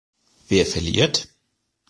Wer verliert?